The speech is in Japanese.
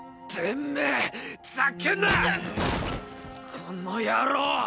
この野郎ッ！